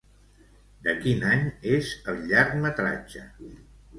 De quin any és el llargmetratge?